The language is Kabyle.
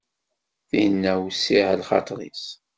Tinna wessiɛ lxaṭer-is.